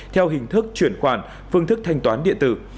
theo hình thức chuyển khoản phương thức thanh toán điện tử